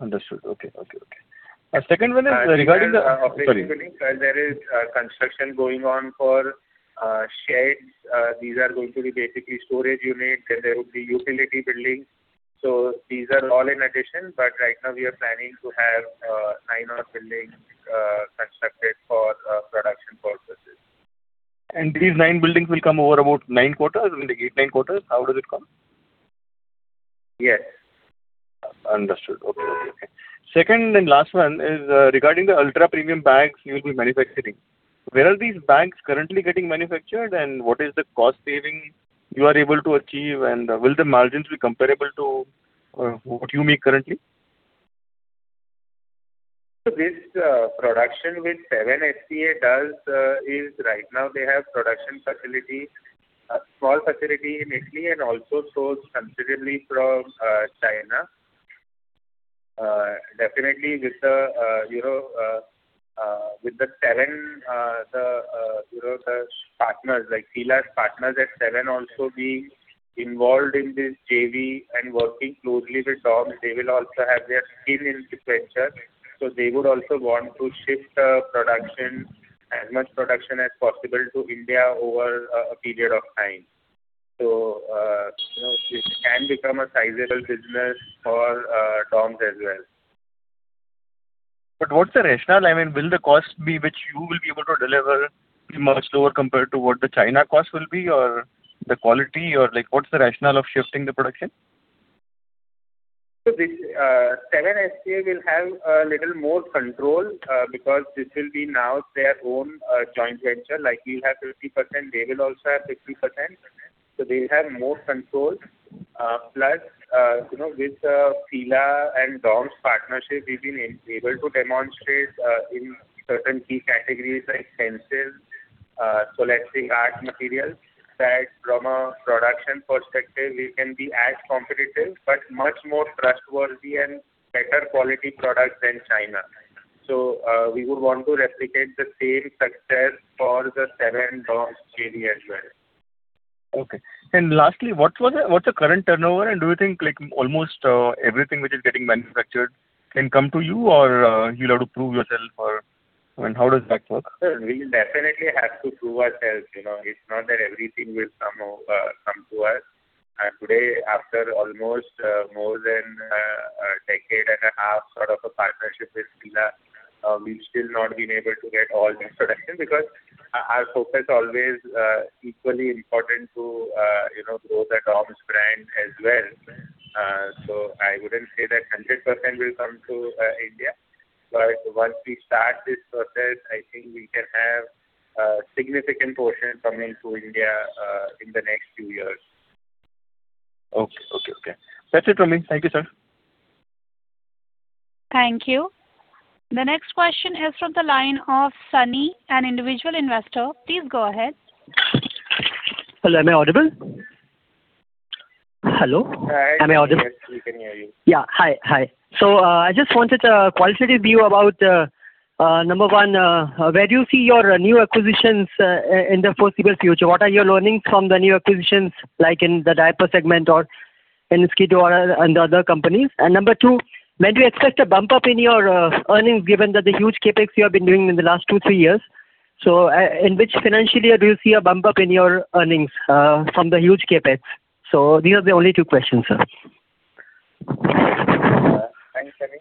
Understood. Okay, okay, okay. Second one is regarding the.
There is construction going on for sheds. These are going to be basically storage units. Then there would be utility buildings. So these are all in addition. But right now, we are planning to have nine more buildings constructed for production purposes.
These nine buildings will come over about nine quarters? eight, nine quarters? How does it come?
Yes.
Understood. Okay, okay, okay. Second and last one is regarding the ultra-premium bags you will be manufacturing. Where are these bags currently getting manufactured, and what is the cost saving you are able to achieve? And will the margins be comparable to what you make currently?
So this production with F.I.L.A DOMS is right now, they have small facility in Italy and also source considerably from China. Definitely, with the Seven, the partners, like F.I.L.A's partners at Seven also being involved in this JV and working closely with DOMS, they will also have their skin in the game. So they would also want to shift as much production as possible to India over a period of time. So this can become a sizable business for DOMS as well.
What's the rationale? I mean, will the cost be which you will be able to deliver be much lower compared to what the China cost will be, or the quality? Or what's the rationale of shifting the production?
So this Seven will have a little more control because this will be now their own joint venture. Like we have 50%, they will also have 50%. So they will have more control. Plus, with F.I.L.A and DOMS' partnership, we've been able to demonstrate in certain key categories like pencils, Scholastic Art Materials, that from a production perspective, we can be as competitive but much more trustworthy and better quality products than China. So we would want to replicate the same success for the Seven DOMS JV as well.
Okay. And lastly, what's the current turnover? And do you think almost everything which is getting manufactured can come to you, or you'll have to prove yourself? I mean, how does that work?
We definitely have to prove ourselves. It's not that everything will come to us. Today, after almost more than a decade and a half sort of a partnership with F.I.L.A., we've still not been able to get all that production because our focus is always equally important to grow the DOMS brand as well. So I wouldn't say that 100% will come to India. But once we start this process, I think we can have a significant portion coming to India in the next few years.
Okay, okay, okay. That's it from me. Thank you, sir.
Thank you. The next question is from the line of [Sunny], an individual investor. Please go ahead. Hello. Am I audible? Hello? Am I audible? Yes, we can hear you. Yeah. Hi, hi. So I just wanted a qualitative view about, number one, where do you see your new acquisitions in the foreseeable future? What are your learnings from the new acquisitions, like in the diaper segment or in skid or in the other companies? And number two, maybe expect a bump-up in your earnings given that the huge CapEx you have been doing in the last two, three years. So in which financial year do you see a bump-up in your earnings from the huge CapEx? So these are the only two questions, sir.
Thanks, [Sunny].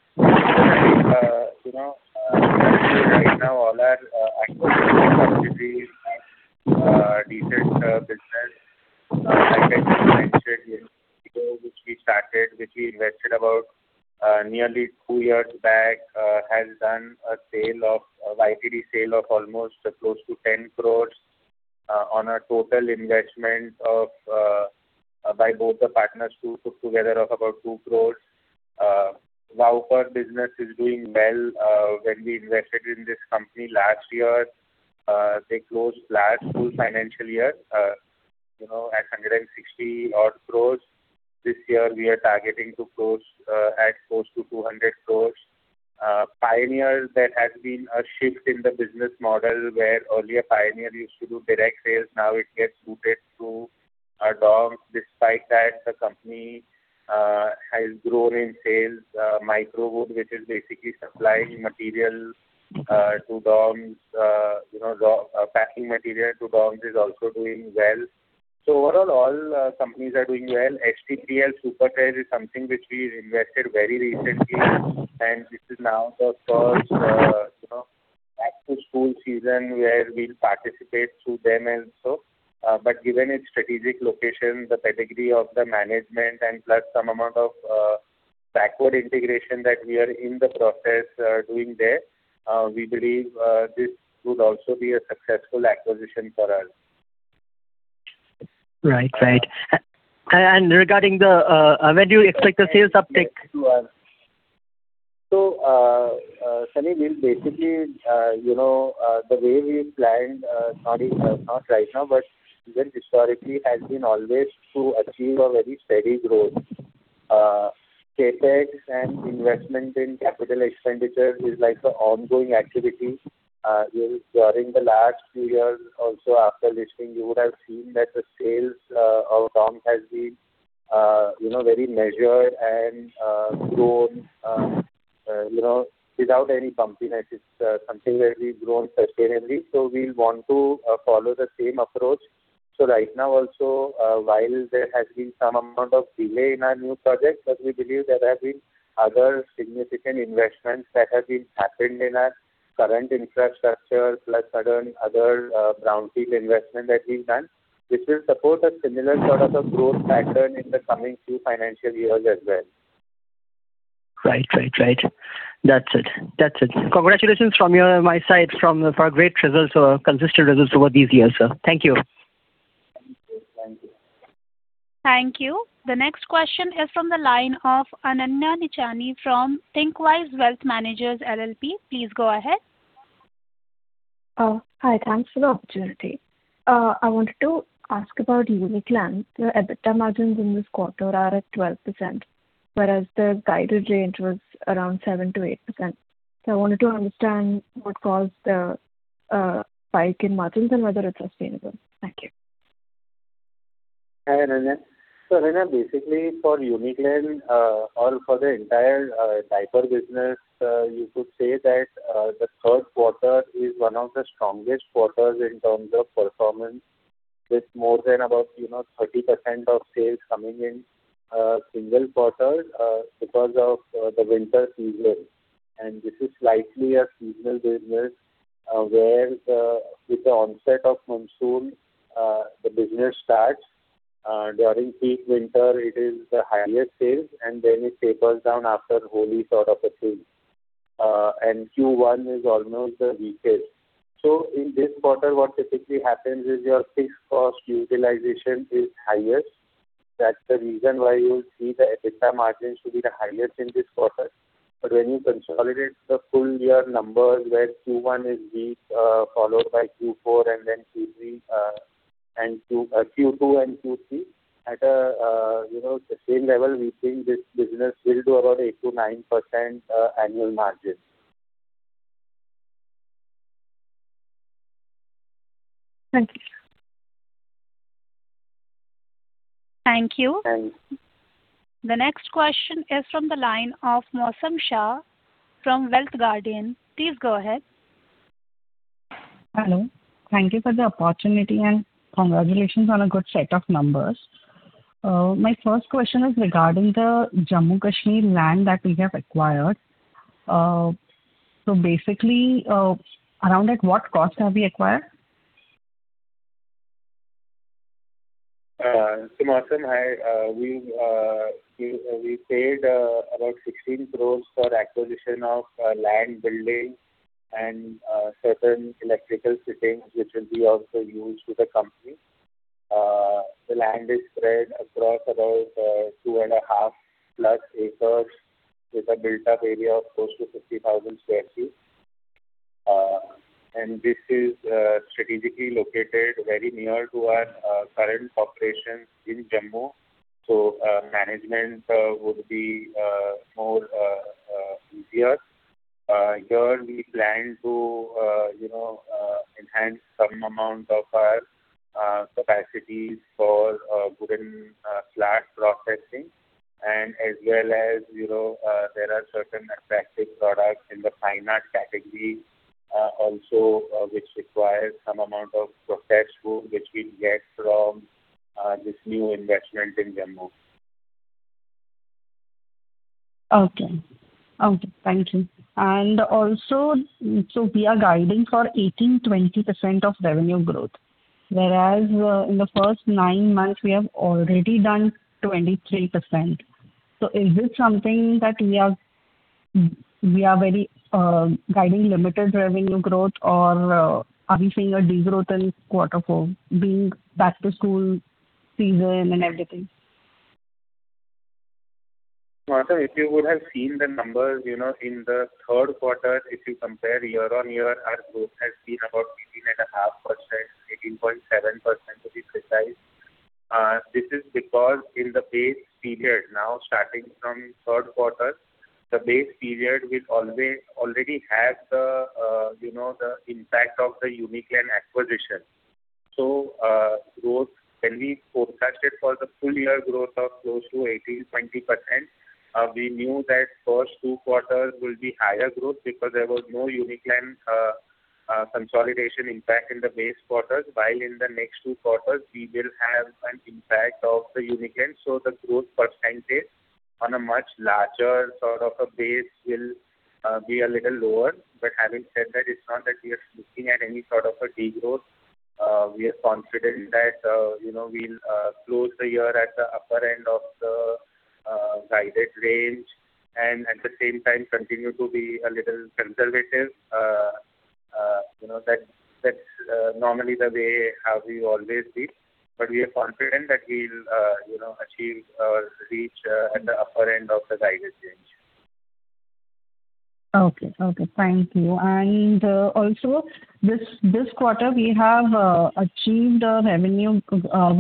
Actually, right now, all our acquisitions are really decent business. Like I just mentioned, which we started, which we invested about nearly two years back, has done a YTD sale of almost close to 10 crores on a total investment by both the partners who put together of about 2 crores. Wowper business is doing well. When we invested in this company last year, they closed last full financial year at 160-odd crores. This year, we are targeting to close at close to 200 crores. Pioneer, there has been a shift in the business model where earlier, Pioneer used to do direct sales. Now, it gets rooted through DOMS. Despite that, the company has grown in sales. Micro Wood, which is basically supplying material to DOMS, packing material to DOMS, is also doing well. So overall, all companies are doing well. STPL Super Trades is something which we invested very recently. This is now the first back-to-school season where we'll participate through them also. Given its strategic location, the pedigree of the management, and plus some amount of backward integration that we are in the process doing there, we believe this would also be a successful acquisition for us. Right, right. And regarding the when do you expect the sales uptick? So, Sunny, we'll basically the way we planned, not right now, but historically, has been always to achieve a very steady growth. CapEx and investment in capital expenditure is like an ongoing activity. During the last few years, also after listing, you would have seen that the sales of DOMS has been very measured and grown without any bumpiness. It's something where we've grown sustainably. So we'll want to follow the same approach. So right now also, while there has been some amount of delay in our new project, but we believe there have been other significant investments that have been happened in our current infrastructure plus sudden other brownfield investment that we've done, which will support a similar sort of a growth pattern in the coming few financial years as well. Right, right, right. That's it. That's it. Congratulations from my side for great results or consistent results over these years, sir. Thank you. Thank you.
Thank you. The next question is from the line of Ananya Nichani from Thinqwise Wealth Managers LLP. Please go ahead.
Hi. Thanks for the opportunity. I wanted to ask about Uniclan. The EBITDA margins in this quarter are at 12%, whereas the guided range was around 7%-8%. So I wanted to understand what caused the spike in margins and whether it's sustainable. Thank you.
Hi, Ananya. So right now, basically, for Uniclan or for the entire diaper business, you could say that the third quarter is one of the strongest quarters in terms of performance, with more than about 30% of sales coming in single quarters because of the winter season. And this is slightly a seasonal business where with the onset of monsoon, the business starts. During peak winter, it is the highest sales, and then it tapers down after [Holi] sort of a thing. And Q1 is almost the weakest. So in this quarter, what typically happens is your fixed cost utilization is highest. That's the reason why you'll see the EBITDA margins to be the highest in this quarter. But when you consolidate the full year numbers where Q1 is weak, followed by Q4 and then Q2 and Q3, at the same level, we think this business will do about 8%-9% annual margin.
Thank you.
Thank you.
Thank you.
The next question is from the line of Mosam Shah from Wealth Guardian. Please go ahead.
Hello. Thank you for the opportunity, and congratulations on a good set of numbers. My first question is regarding the Jammu and Kashmir land that we have acquired. So basically, around that, what cost have we acquired?
So Mosam, hi. We paid about 16 crore for acquisition of land, building, and certain electrical fittings, which will be also used with the company. The land is spread across about 2.5+ ac with a built-up area of close to 50,000 sq ft. And this is strategically located very near to our current operations in Jammu, so management would be more easier. Here, we plan to enhance some amount of our capacities for wooden slat processing, and as well as there are certain attractive products in the fine art category also, which requires some amount of processed wood, which we get from this new investment in Jammu.
Okay. Okay. Thank you. And also, so we are guiding for 18%-20% revenue growth, whereas in the first nine months, we have already done 23%. So is this something that we are guiding limited revenue growth, or are we seeing a degrowth in quarter four, being back-to-school season and everything?
Mosam, if you would have seen the numbers in the third quarter, if you compare year-on-year, our growth has been about 18.5%, 18.7%, to be precise. This is because in the base period now, starting from third quarter, the base period will already have the impact of the Uniclan acquisition. So when we forecasted for the full year growth of close to 18%-20%, we knew that first two quarters will be higher growth because there was no Uniclan consolidation impact in the base quarters, while in the next two quarters, we will have an impact of the Uniclan. So the growth percentage on a much larger sort of a base will be a little lower. But having said that, it's not that we are looking at any sort of a degrowth. We are confident that we'll close the year at the upper end of the guided range and at the same time continue to be a little conservative. That's normally the way how we've always been. But we are confident that we'll achieve or reach at the upper end of the guided range.
Okay. Okay. Thank you. And also, this quarter, we have achieved a revenue in our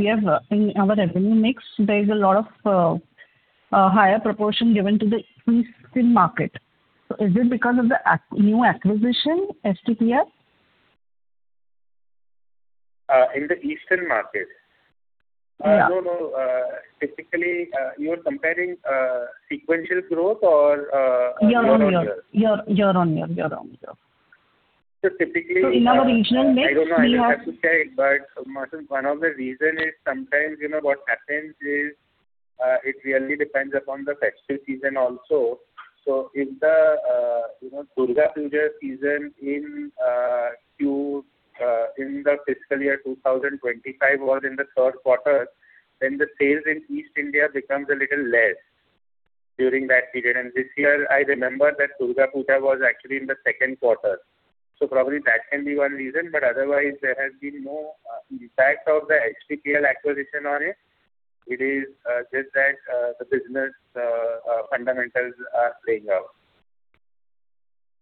revenue mix. There's a lot of higher proportion given to the Eastern market. So is it because of the new acquisition, STPL?
In the Eastern market?
Yeah.
No, no. Typically, you're comparing sequential growth or year-on-year?
Year-over-year. Year-over-year. Year-over-year.
Typically, we have.
In our regional mix, we have.
I don't know. I have to check. But Mosam, one of the reasons is sometimes what happens is it really depends upon the festive season also. So if the Durga Puja season in the fiscal year 2025 was in the third quarter, then the sales in East India becomes a little less during that period. And this year, I remember that Durga Puja was actually in the second quarter. So probably that can be one reason. But otherwise, there has been no impact of the STPL acquisition on it. It is just that the business fundamentals are playing out.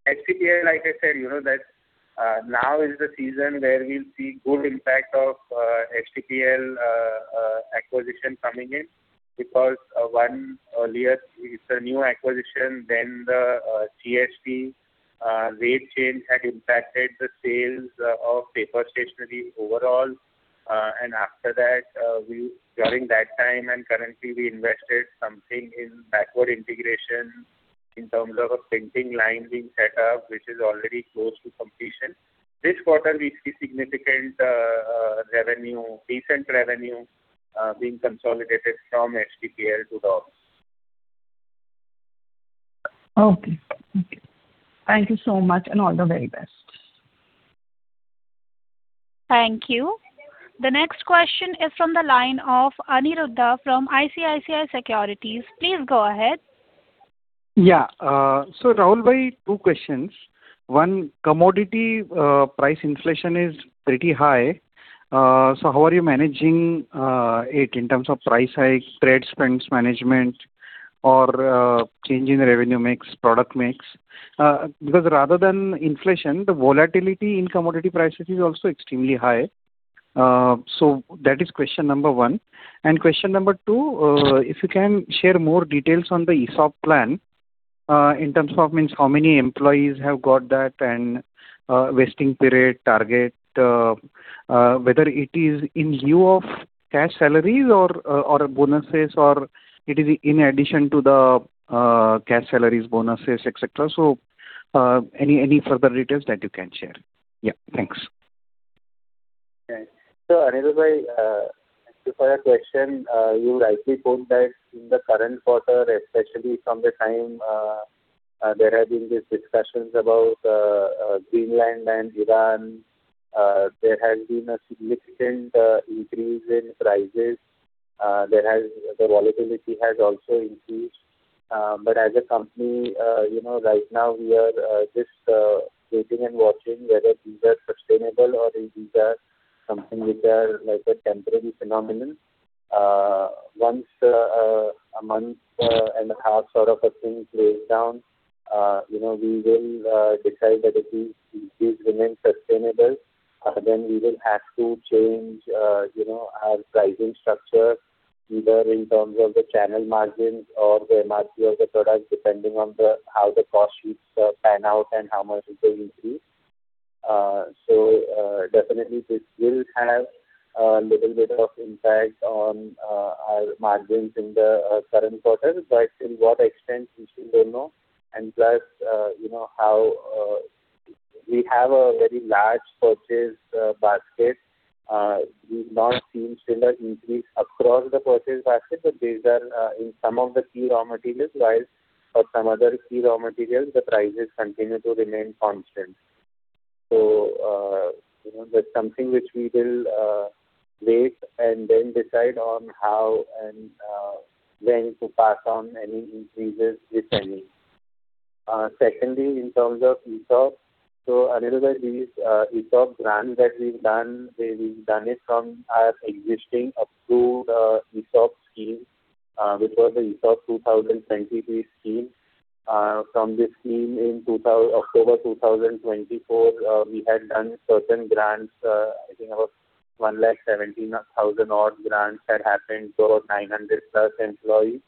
STPL, like I said, now is the season where we'll see good impact of STPL acquisition coming in because one earlier, it's a new acquisition. Then the GST rate change had impacted the sales of paper stationery overall. After that, during that time and currently, we invested something in backward integration in terms of a printing line being set up, which is already close to completion. This quarter, we see significant revenue, decent revenue being consolidated from STPL to DOMS.
Okay. Okay. Thank you so much and all the very best.
Thank you. The next question is from the line of Aniruddha from ICICI Securities. Please go ahead.
Yeah. So Rahul bhai, two questions. One, commodity price inflation is pretty high. So how are you managing it in terms of price hike, trade spends, management, or change in revenue mix, product mix? Because rather than inflation, the volatility in commodity prices is also extremely high. So that is question number one. And question number two, if you can share more details on the ESOP plan in terms of how many employees have got that and vesting period target, whether it is in view of cash salaries or bonuses, or it is in addition to the cash salaries, bonuses, etc. So any further details that you can share. Yeah. Thanks.
Okay. So Aniruddha-bhai, thank you for your question. You rightly point that in the current quarter, especially from the time there have been these discussions about Greenland and Iran, there has been a significant increase in prices. The volatility has also increased. But as a company, right now, we are just waiting and watching whether these are sustainable or if these are something which are like a temporary phenomenon. Once a month and a half sort of a thing plays down, we will decide that if these remain sustainable, then we will have to change our pricing structure either in terms of the channel margins or the MRP of the product, depending on how the cost sheets pan out and how much it will increase. So definitely, this will have a little bit of impact on our margins in the current quarter. But to what extent, we still don't know. Plus, we have a very large purchase basket. We've not seen still an increase across the purchase basket, but these are in some of the key raw materials, while for some other key raw materials, the prices continue to remain constant. So that's something which we will wait and then decide on how and when to pass on any increases, if any. Secondly, in terms of ESOP, so Aniruddha bhai, these ESOP grants that we've done, we've done it from our existing approved ESOP scheme, which was the ESOP 2023 scheme. From this scheme in October 2024, we had done certain grants. I think about 117,000-odd grants had happened to about 900+ employees.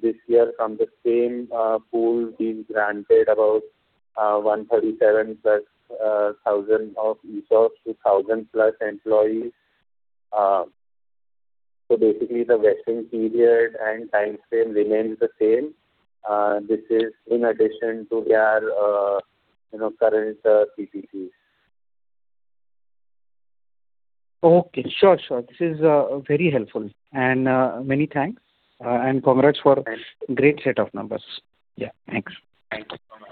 This year, from the same pool, we've granted about 137,000 of ESOPs to 1,000+ employees. So basically, the vesting period and timeframe remains the same. This is in addition to our current CTCs.
Okay. Sure, sure. This is very helpful. Many thanks. Congrats for a great set of numbers. Yeah. Thanks.
Thank you so much.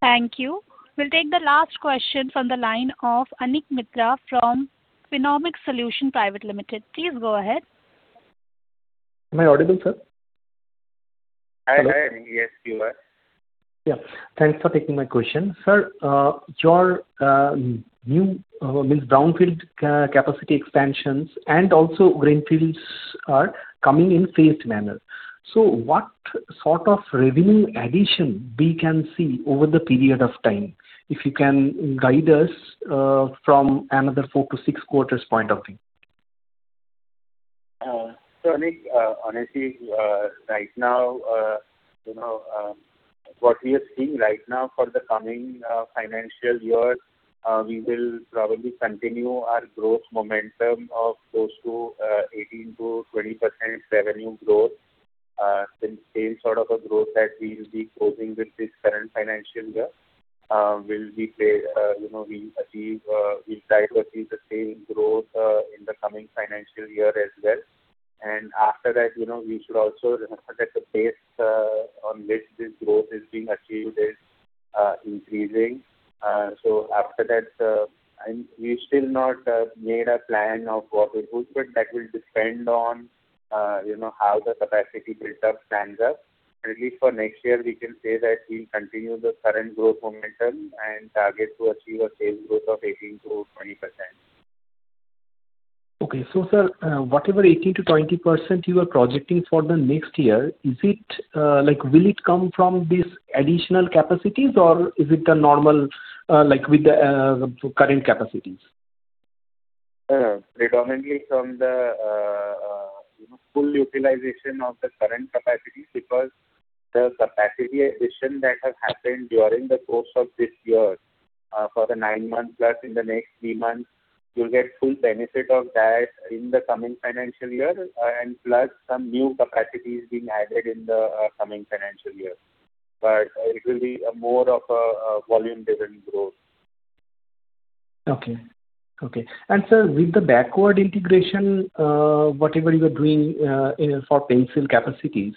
Thank you. We'll take the last question from the line of Anik Mitra from Finnomics Solution Private Limited. Please go ahead.
Am I audible, sir?
Hi. Yes, you are.
Yeah. Thanks for taking my question. Sir, your new means brownfield capacity expansions and also greenfields are coming in phased manner. So what sort of revenue addition we can see over the period of time, if you can guide us from another four-to-six quarters point of view?
So honestly, right now, what we are seeing right now for the coming financial year, we will probably continue our growth momentum of close to 18%-20% revenue growth. The same sort of a growth that we'll be closing with this current financial year, we'll try to achieve the same growth in the coming financial year as well. And after that, we should also remember that the base on which this growth is being achieved is increasing. So after that, we've still not made a plan of what it would, but that will depend on how the capacity build-up stands up. At least for next year, we can say that we'll continue the current growth momentum and target to achieve a sales growth of 18%-20%.
Okay. So sir, whatever 18%-20% you are projecting for the next year, will it come from these additional capacities, or is it the normal with the current capacities?
Predominantly from the full utilization of the current capacity because the capacity addition that has happened during the course of this year for the nine months plus in the next three months, you'll get full benefit of that in the coming financial year and plus some new capacities being added in the coming financial year. But it will be more of a volume-driven growth.
Okay. Okay. And sir, with the backward integration, whatever you are doing for pencil capacities,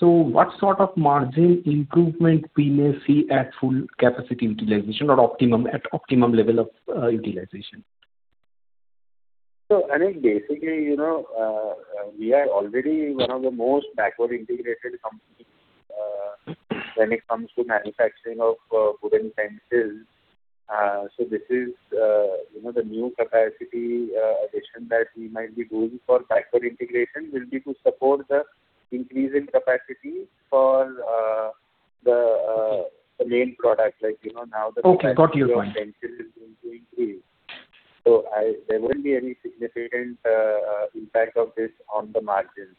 so what sort of margin improvement we may see at full capacity utilization or at optimum level of utilization?
So Anik, basically, we are already one of the most backward-integrated companies when it comes to manufacturing of wooden pencils. So this is the new capacity addition that we might be doing for backward integration will be to support the increase in capacity for the main product. Now the capacity of pencils is going to increase. So there won't be any significant impact of this on the margins.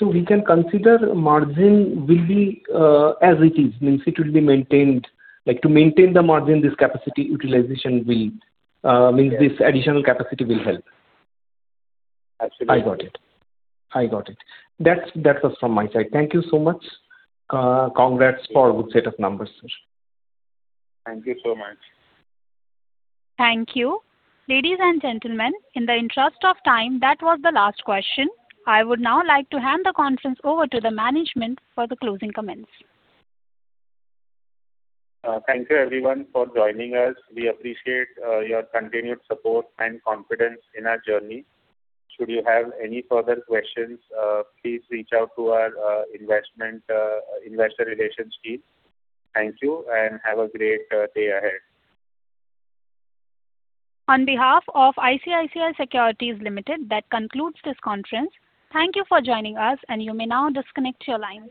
We can consider margin will be as it is, means it will be maintained. To maintain the margin, this capacity utilization will means this additional capacity will help.
Absolutely.
I got it. I got it. That was from my side. Thank you so much. Congrats for a good set of numbers, sir.
Thank you so much.
Thank you. Ladies and gentlemen, in the interest of time, that was the last question. I would now like to hand the conference over to the management for the closing comments.
Thank you, everyone, for joining us. We appreciate your continued support and confidence in our journey. Should you have any further questions, please reach out to our Investor Relations team. Thank you and have a great day ahead.
On behalf of ICICI Securities Limited, that concludes this conference. Thank you for joining us, and you may now disconnect your line.